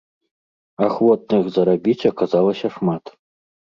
Ахвотных зарабіць аказалася шмат.